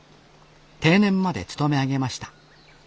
定年まで勤め上げました。